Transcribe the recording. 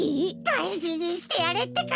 だいじにしてやれってか！